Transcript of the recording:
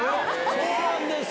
そうなんですか。